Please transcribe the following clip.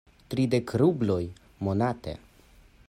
Tridek rubloj monate.